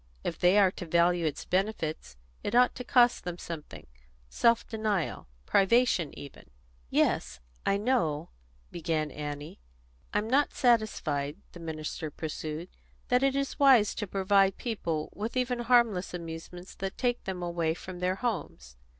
If they are to value its benefits, it ought to cost them something self denial, privation even." "Yes, I know," Annie began. "I'm not satisfied," the minister pursued, "that it is wise to provide people with even harmless amusements that take them much away from their homes.